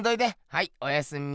はいおやすみ。